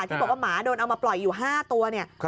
ที่บอกว่าหมาโดนเอามาปล่อยอยู่๕ตัวเนี่ย